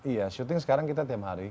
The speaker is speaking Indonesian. iya shooting sekarang kita setiap hari